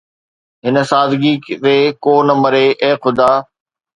هن سادگيءَ تي ڪو نه مري، اي خدا